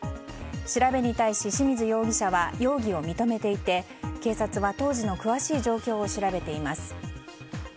調べに対し、清水容疑者は容疑を認めていて警察は当時の詳しい状況を調べています。